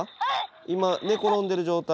今寝転んでる状態？